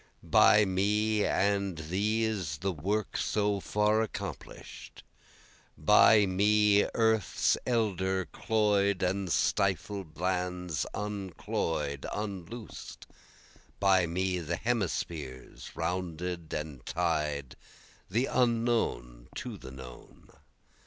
By me and these the work so far accomplish'd, By me earth's elder cloy'd and stifled lands uncloy'd, unloos'd, By me the hemispheres rounded and tied, the unknown to the known.